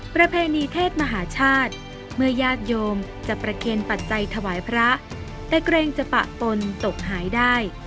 ประเพณีเทศมหาชาติเมื่อญาติโยมจะประเคนปัจจัยถวายพระแต่เกรงจะปะปนตกหายได้